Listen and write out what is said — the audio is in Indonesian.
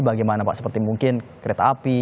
bagaimana pak seperti mungkin kereta api